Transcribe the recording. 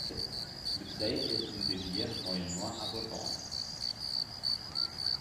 Le Trey est une rivière moyennement abondante.